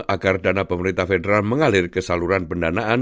agar dana pemerintah federal mengalir ke saluran pendanaan